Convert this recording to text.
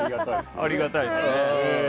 ありがたいですね。